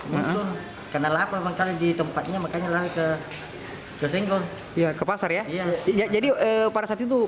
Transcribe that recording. mencuri karena lapar makanya di tempatnya makanya lah ke jaringan ya ke pasar ya jadi pada saat itu